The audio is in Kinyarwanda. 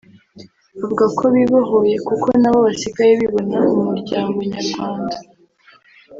Avuga ko bibohoye kuko nabo basigaye bibona mu muryango nyarwanda